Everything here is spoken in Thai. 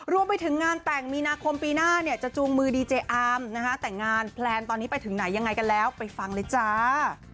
รวมไปถึงงานแต่งมีนาคมปีหน้าเนี่ยจะจูงมือดีเจอาร์มนะคะแต่งงานแพลนตอนนี้ไปถึงไหนยังไงกันแล้วไปฟังเลยจ้า